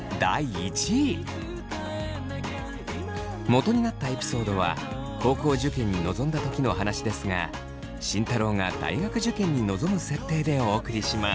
もとになったエピソードは高校受験に臨んだ時の話ですが慎太郎が大学受験に臨む設定でお送りします。